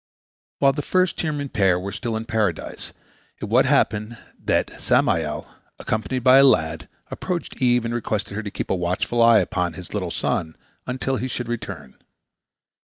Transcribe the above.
While the first human pair were still in Paradise, it once happened that Samael, accompanied by a lad, approached Eve and requested her to keep a watchful eye upon his little son until he should return.